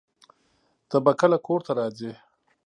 ته به کله کور ته راځې؟